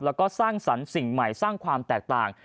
แล้วก็สร้างสรรค์สิ่งใหม่สร้างความแตกต่าง